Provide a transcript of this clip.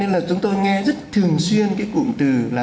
nên là chúng tôi nghe rất thường xuyên cái cụm từ là